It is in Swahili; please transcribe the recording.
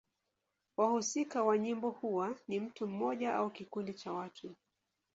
Wahusika wa nyimbo huwa ni mtu mmoja au kikundi cha watu.